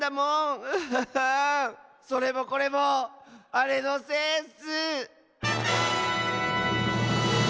それもこれもあれのせいッス！